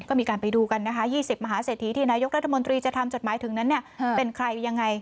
ก็มีการไปดูกันนะคะ๒๐มหาเศรษฐีที่นายกรัฐมนตรีจะทำจดหมายถึงนั้นเป็นใครยังไง